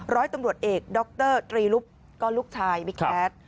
ร้อยตำรวจเอกด็อกเตอร์ตรีลุปก็ลูกชายบิ๊กแจ๊ด